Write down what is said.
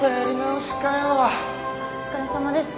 お疲れさまです。